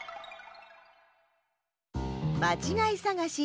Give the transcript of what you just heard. まちがいさがし２